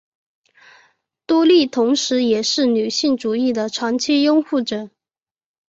多莉同时也是女性主义的长期拥护者。